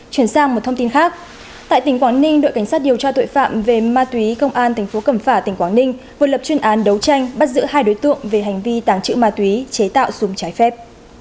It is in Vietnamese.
chuyển sang một thông tin khác tại tỉnh quảng ninh đội cảnh sát điều tra tội phạm về ma túy công an thành phố cẩm phả tỉnh quảng ninh vừa lập chuyên án đấu tranh bắt giữ hai đối tượng về hành vi tàng trữ ma túy chế tạo súng trái phép